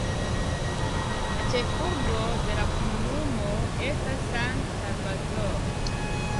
La ĉefurbo de la komunumo estas San Salvador.